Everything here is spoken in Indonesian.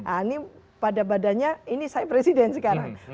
ini pada badannya ini saya presiden sekarang